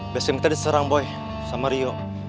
bas camp kita diserang boy sama rio